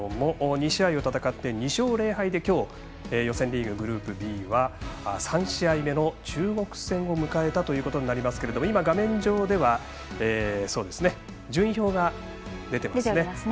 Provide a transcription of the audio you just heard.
２試合を戦って２勝０敗で予選リーググループＢは３試合目の中国戦を迎えたということになりますが今、画面上では順位表が出ていますね。